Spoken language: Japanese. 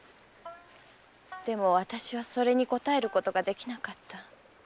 でも私はそれに応えることができなかった。